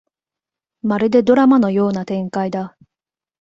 まるでドラマのような展開だ